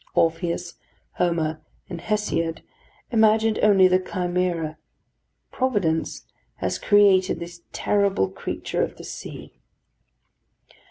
Orpheus, Homer, and Hesiod imagined only the Chimera: Providence has created this terrible creature of the sea.